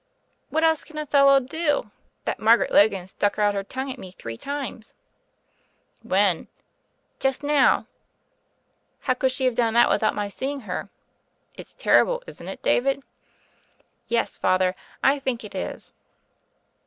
"What else can a fellow do ? That Margaret Logan stuck out her tongue at me three times." "When?" "Just now." "How could she have done that without my seeing her? It's terrible, isn't it, David?" "Yes, Father, I think it is."